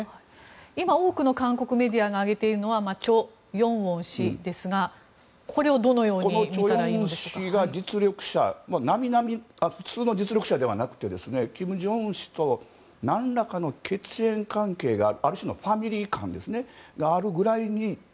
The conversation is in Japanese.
今、多くの韓国メディアが挙げているのはチョ・ヨンウォン氏ですがチョ・ヨンウォン氏は普通の実力者ではなく金正恩氏と何らかの血縁関係がある種のファミリー感があるぐらいに。